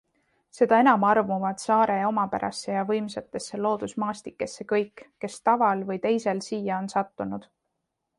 Seda enam armuvad saare omapärasse ja võimsatesse loodusmaastikesse kõik, kes taval või teisel siia on sattunud.